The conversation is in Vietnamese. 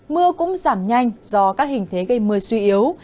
mưa cũng giảm nhanh do các hình thế gây mưa suy yếu